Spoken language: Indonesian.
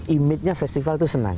imitnya festival itu senang